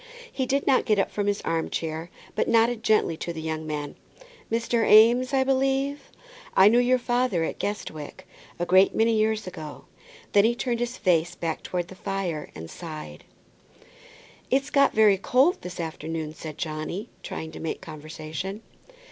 He did not get up from his arm chair, but nodded gently at the young man. "Mr. Eames, I believe? I knew your father at Guestwick, a great many years ago;" then he turned his face back towards the fire and sighed. "It's got very cold this afternoon," said Johnny, trying to make conversation.